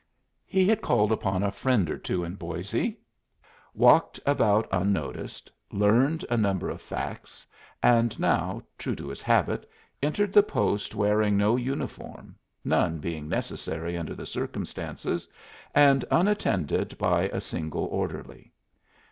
He had called upon a friend or two in Boisé, walked about unnoticed, learned a number of facts, and now, true to his habit, entered the post wearing no uniform, none being necessary under the circumstances, and unattended by a single orderly.